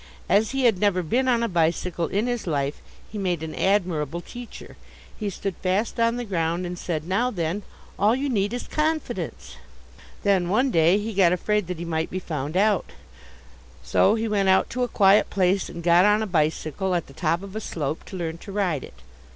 As he had never been on a bicycle in his life, he made an admirable teacher. He stood fast on the ground and said, "Now then, all you need is confidence." Then one day he got afraid that he might be found out. So he went out to a quiet place and got on a bicycle, at the top of a slope, to learn to ride it.